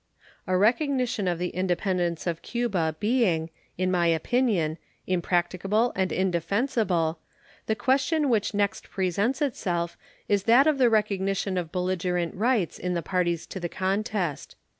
A recognition of the independence of Cuba being, in my opinion, impracticable and indefensible, the question which next presents itself is that of the recognition of belligerent rights in the parties to the contest.